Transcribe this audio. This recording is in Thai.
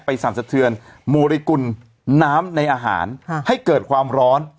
สั่นสะเทือนโมริกุลน้ำในอาหารให้เกิดความร้อน